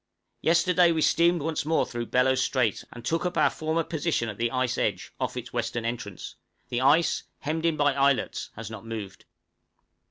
_ Yesterday we steamed once more through Bellot Strait, and took up our former position at the ice edge, off its western entrance; the ice, hemmed in by islets has not moved.